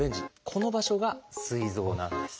この場所がすい臓なんです。